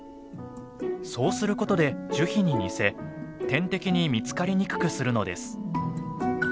そうすることで樹皮に似せ天敵に見つかりにくくするのです。